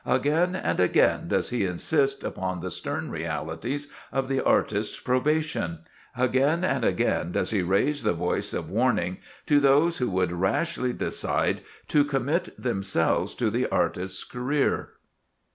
Again and again does he insist upon the stern realities of the artist's probation; again and again does he raise the voice of warning to those who would rashly decide to commit themselves to the artist's career.